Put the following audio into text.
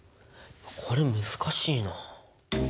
これ難しいな。